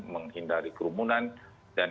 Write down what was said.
menghindari kerumunan dan